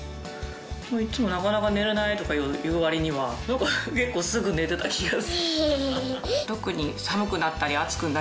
いつも「なかなか寝れない」とか言う割には結構すぐ寝てた気が。